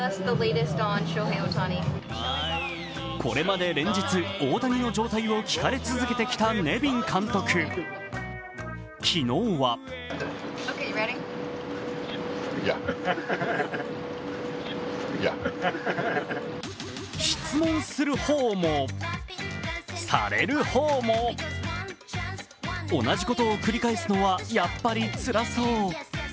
これまで連日、大谷の状態を聞かれ続けてきたネビン監督、昨日は質問する方も、される方も、同じことを繰り返すのはやっぱりつらそう。